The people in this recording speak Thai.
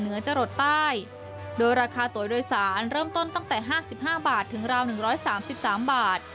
เนื้อจรดใต้โดยราคาตรวจโดยสารเริ่มต้นตั้งแต่ห้าสิบห้าบาทถึงราวหนึ่งร้อยสามสิบสามบาท